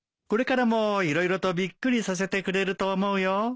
これからも色々とびっくりさせてくれると思うよ。